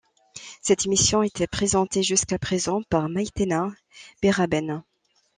Cette émission était présentée jusqu'à présent par Maïtena Biraben.